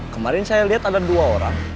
kemarin saya lihat ada dua orang